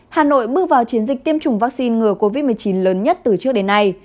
hà nội bước vào chiến dịch tiêm chủng vaccine ngừa covid một mươi chín lớn nhất từ trước đến nay